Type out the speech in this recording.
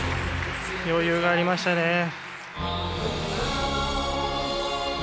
余裕がありましたね。